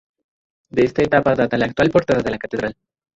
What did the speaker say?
De esta etapa data la actual portada de la catedral.